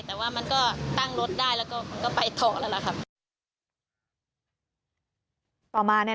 แต่ว่ามันก็ตั้งรถได้แล้วไปต่อแล้วละครับ